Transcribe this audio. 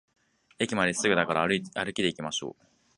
駅まですぐだから歩きでいきましょう